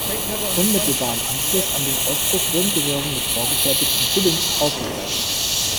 Unmittelbar im Anschluss an den Ausbruch wurden die Röhren mit vorgefertigten Tübbings ausgekleidet.